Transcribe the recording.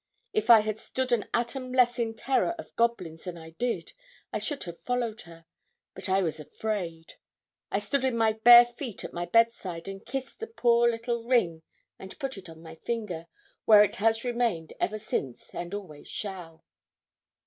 If I had stood an atom less in terror of goblins than I did, I should have followed her, but I was afraid. I stood in my bare feet at my bedside, and kissed the poor little ring and put it on my finger, where it has remained ever since and always shall.